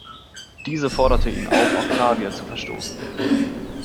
Diese forderte ihn auf, Octavia zu verstoßen.